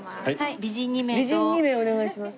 美人２名お願いします。